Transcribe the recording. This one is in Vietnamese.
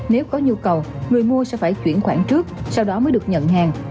nếu có nhu cầu người mua sẽ phải chuyển khoản trước sau đó mới được nhận hàng